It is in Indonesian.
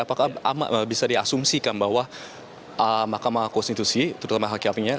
apakah bisa diasumsikan bahwa mahkamah konstitusi terutama hakim hakimnya